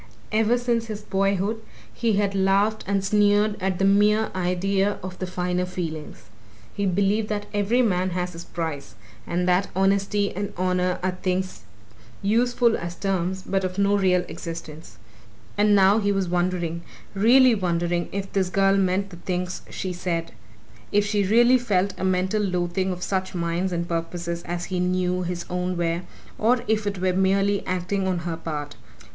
Ever since his boyhood he had laughed and sneered at the mere idea of the finer feelings he believed that every man has his price and that honesty and honour are things useful as terms but of no real existence. And now he was wondering really wondering if this girl meant the things she said: if she really felt a mental loathing of such minds and purposes as he knew his own were, or if it were merely acting on her part.